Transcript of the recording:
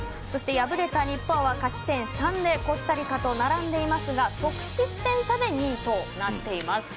敗れた日本は勝ち点３でコスタリカと並んでいますが得失点差で２位となっています。